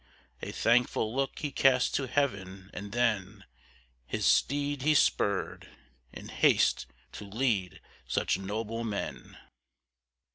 A thankful look he cast to heaven, and then His steed he spurred, in haste to lead such noble men.